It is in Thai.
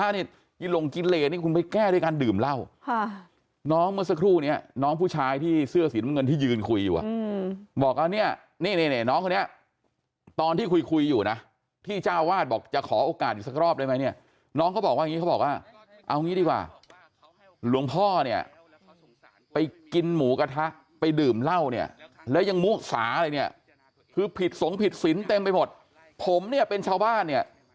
น้องเมื่อสักครู่เนี่ยน้องผู้ชายที่เสื้อสีน้ำเงินที่ยืนคุยอยู่อ่ะบอกว่าเนี่ยนี่เนี่ยเนี่ยน้องคนนี้ตอนที่คุยคุยอยู่นะที่ชาววาดบอกจะขอโอกาสอยู่สักรอบได้ไหมเนี่ยน้องเขาบอกว่าอย่างงี้เขาบอกว่าเอางี้ดีกว่าหลวงพ่อเนี่ยไปกินหมูกระทะไปดื่มเหล้าเนี่ยแล้วยังมุสาอะไรเนี่ยคือผิดสงค์ผิดสินเต็มไป